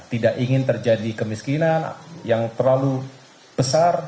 tidak ingin terjadi kemiskinan yang terlalu besar